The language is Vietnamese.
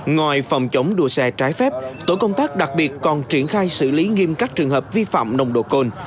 ngoài phòng chống đua xe trái phép tổ công tác đặc biệt còn triển khai xử lý nghiêm các trường hợp vi phạm nồng độ cồn